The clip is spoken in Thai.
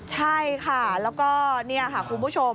ใช่ค่ะแล้วก็นี่ค่ะคุณผู้ชม